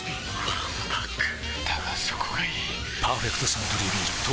わんぱくだがそこがいい「パーフェクトサントリービール糖質ゼロ」